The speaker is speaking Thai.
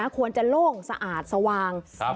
ควรจะโล่งสะอาดสว่าง